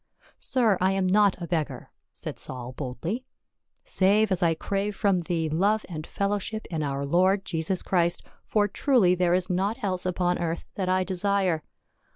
"Sir, I am not a beggar," said Saul boldly, "save as I crave from thee love and fellowship in our Lord Jesus Christ, for truly there is naught else upon earth that I desire.